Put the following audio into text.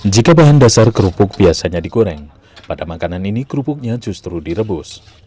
jika bahan dasar kerupuk biasanya digoreng pada makanan ini kerupuknya justru direbus